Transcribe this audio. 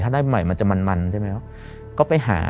ถ้าได้ใหม่มันจะมันใช่ไหม